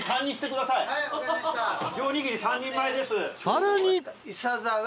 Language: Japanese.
［さらに］